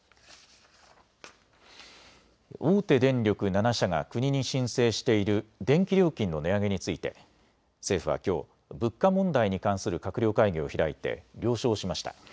大手電力７社が国に申請している電気料金の値上げについて政府はきょう物価問題に関する閣僚会議を開いて了承しました。